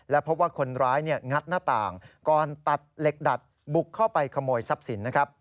และพบว่าคนร้ายงัดหน้าต่างก่อนตัดเหล็กดัดบุกเข้าไปขโมยทรัพย์สินนะครับ